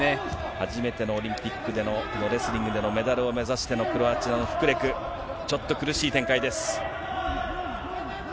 初めてのオリンピックでの、このレスリングでのメダルを目指してのクロアチアのフクレク、ちょっと苦しい展開です。